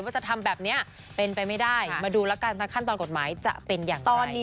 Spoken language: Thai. จะทำแบบนี้เป็นไปไม่ได้มาดูแล้วกันขั้นตอนกฎหมายจะเป็นอย่างไร